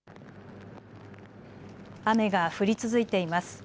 雨が降り続いています。